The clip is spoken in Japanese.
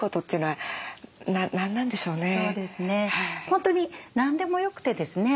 本当に何でもよくてですね